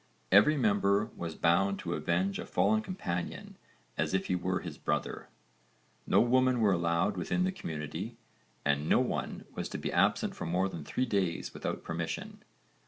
Every member was bound to avenge a fallen companion as if he were his brother. No women were allowed within the community, and no one was to be absent for more than three days without permission.